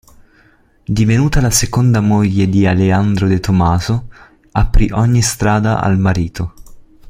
Divenuta la seconda moglie di Alejandro De Tomaso, aprì ogni strada al marito.